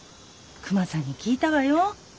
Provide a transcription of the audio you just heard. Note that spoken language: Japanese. クマさんに聞いたわよ。